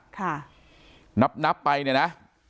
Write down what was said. ค่ะนับนับไปเนี่ยนะ